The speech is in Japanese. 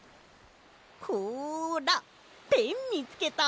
ほらペンみつけた！